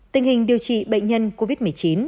tình hình điều trị bệnh nhân covid một mươi chín